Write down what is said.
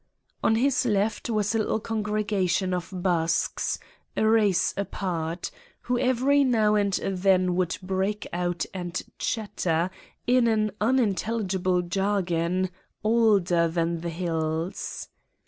On his left was a little congregation of Basques, a race apart, who every now and then would break out and chatter in an unintelligible jargon, older than the hills.